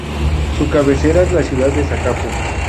Su cabecera es la ciudad de Zacapu.